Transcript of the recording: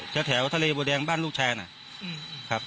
จากแถวทะเลบัวแดงบ้านลูกชายนะ